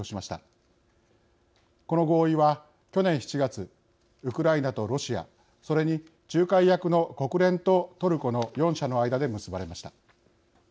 この合意は去年７月ウクライナとロシアそれに仲介役の国連とトルコの４者の間で結ばれました。